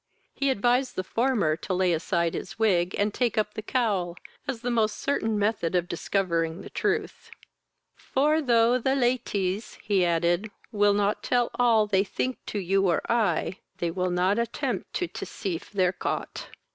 He advised the former to lay aside his wig, and take up the cowl, as the most certain method of discovering the truth; "for, though the laties, (he added,) will not tell all they think to you or I, they will not attempt to teceive their Cot."